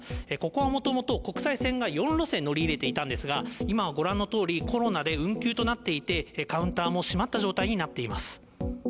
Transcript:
ここはもともと国際線が４路線乗り入れていたんですが、今はご覧のとおり、コロナで運休となっていて、カウンターも閉まった状態になっています。